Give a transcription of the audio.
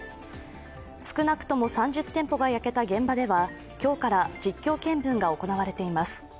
少なくとも３０店舗が焼けた現場では今日から実況見分が行われています。